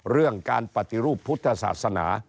เรื่องการปฏิรูปพุทธศาสนา